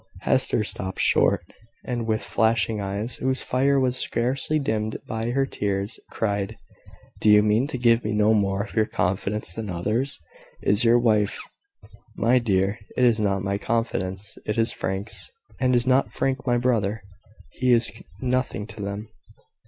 Hester stopped short, and with flashing eyes, whose fire was scarcely dimmed by her tears, cried "Do you mean to give me no more of your confidence than others? Is your wife " "My dear, it is not my confidence: it is Frank's." "And is not Frank my brother? He is nothing to them."